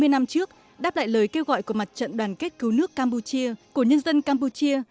hai mươi năm trước đáp lại lời kêu gọi của mặt trận đoàn kết cứu nước campuchia của nhân dân campuchia